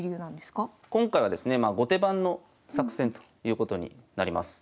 今回はですねまあ後手番の作戦ということになります。